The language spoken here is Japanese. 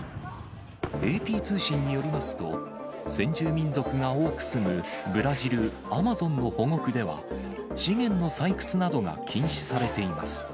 ＡＰ通信によりますと、先住民族が多く住むブラジル・アマゾンの保護区では、資源の採掘などが禁止されています。